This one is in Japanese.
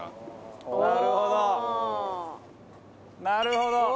なるほど。